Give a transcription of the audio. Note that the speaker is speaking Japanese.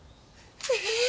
え！？